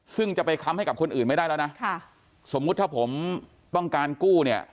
ซึ่งจะไปค้ำให้กับคนอื่นไม่ได้แล้วนะค่ะสมมุติถ้าผมต้องการกู้เนี่ย